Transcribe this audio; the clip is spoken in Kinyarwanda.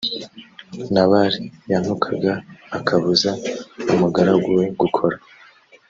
nabali yantukaga akabuza umugaragu we gukora